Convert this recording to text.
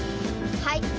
はい。